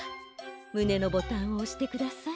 むねのボタンをおしてください。